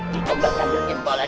kipong bekang kekempor lagi